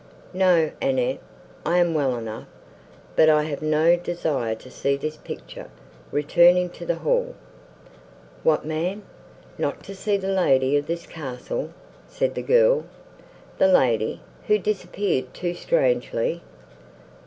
"No, Annette, I am well enough, but I have no desire to see this picture; return into the hall." "What! ma'am, not to see the lady of this castle?" said the girl; "the lady, who disappeared to strangely?